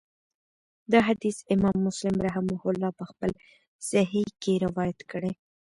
دا حديث امام مسلم رحمه الله په خپل صحيح کي روايت کړی